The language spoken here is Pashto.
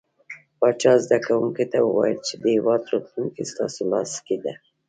پاچا زده کوونکو ته وويل چې د هيواد راتلونکې ستاسو لاس کې ده .